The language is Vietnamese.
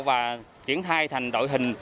và chuyển thai thành đội hình